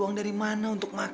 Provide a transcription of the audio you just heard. mengapa mau coba